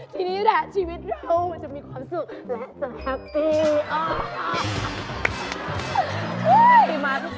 ทีนี้แหละชีวิตเราจะมีความสุข